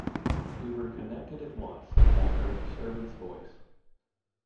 We were connected at once, and I heard a servant’s voice.